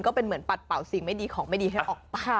เหมือนปัดเป่าสิ่งไม่ดีของไม่ดีให้ออกไป